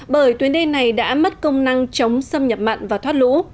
bởi tuyến đê này đã mất công năng chống xâm nhập mặn và thoát lũ